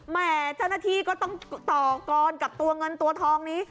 แม่เจ้าหน้าที่ก็ต้องต่อกรกับตัวเงินตัวทองนี้